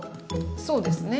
そうですね。